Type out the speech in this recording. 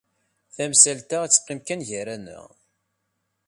Tamsalt-a ad teqqim kan gar-aneɣ.